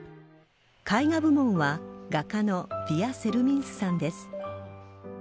絵画部門は画家のヴィヤ・セルミンスさんです。